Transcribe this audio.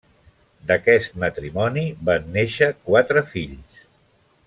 D'aquest matrimoni van néixer quatre fills.